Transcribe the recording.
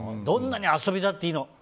どんなに遊びだっていいの。